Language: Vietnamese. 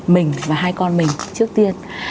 mình và hai con mình trước tiên